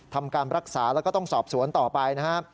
ทำการรักษาแล้วก็ต้องสอบสวนต่อไปนะครับ